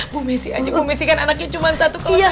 bu messi aja bu messi kan anaknya cuma satu kalau saya dua